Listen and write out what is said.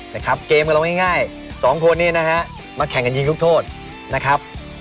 นะครับเกมกับเราง่ายสองคนนี้นะฮะมาแข่งกันยิงลูกโทษนะครับ